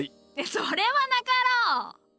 それはなかろう！